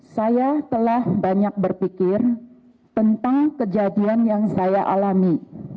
saya telah banyak berpikir tentang kejadian yang saya alami